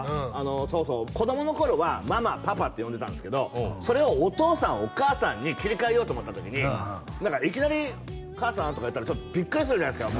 そうそう子供の頃はママパパって呼んでたんですけどそれをお父さんお母さんに切り替えようと思った時にいきなり「母さん」とか言ったらビックリするじゃないですか